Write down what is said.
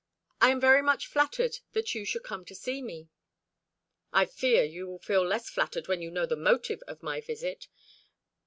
"I am very much flattened that you should come to see me." "I fear you will feel less flattered when you know the motive of my visit.